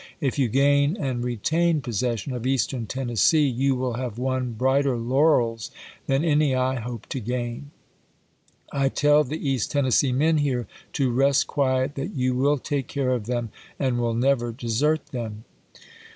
" If you gain and retain pos w^V' voV session of Eastern Tennessee you will have won ^ "ibid..*''^' brighter laurels than any I hope to gain." " I tell ^^ w? R.'^'^'' the East Tennessee men here to rest quiet ; that you pp^'itJ^ss. will take care of them, and will never desert them."